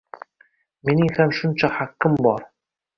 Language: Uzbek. Mening ham shuncha haqqim bor.